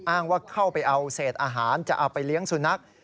อ้างว่าเข้าไปเอาเศษอาหารจะเอาไปเลี้ยงสุนัข